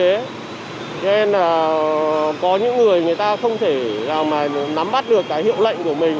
nên có những người người ta không thể nắm bắt được hiệu lệnh của mình